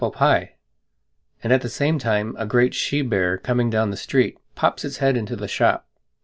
gif)] and at the same time a great she bear, coming down the street, pops its head into the shop.